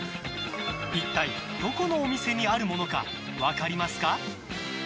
一体どこのお店にあるものか分かりますか？